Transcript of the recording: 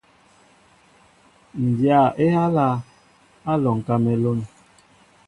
Ǹ dya á ehálā , Á alɔŋ kamelûn.